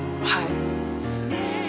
はい。